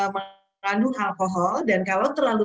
mengandung alkohol dan kalau terlalu